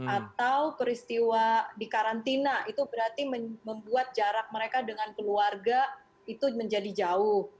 atau peristiwa di karantina itu berarti membuat jarak mereka dengan keluarga itu menjadi jauh